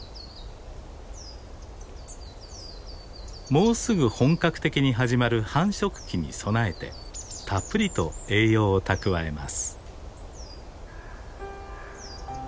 もうすぐ本格的に始まる繁殖期に備えてたっぷりと栄養を蓄えます。